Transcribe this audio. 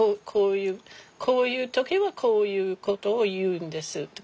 こういう時はこういうことを言うんですって。